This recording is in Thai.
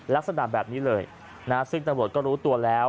ลักษณะแบบนี้เลยนะซึ่งตำรวจก็รู้ตัวแล้ว